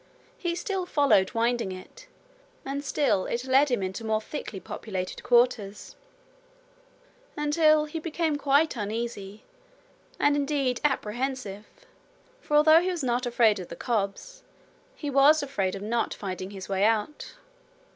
He still followed winding it, and still it led him into more thickly populated quarters, until he became quite uneasy, and indeed apprehensive; for although he was not afraid of the cobs, he was afraid of not finding his way out.